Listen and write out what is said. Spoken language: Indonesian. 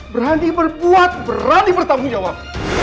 berani berbuat berani bertanggung jawab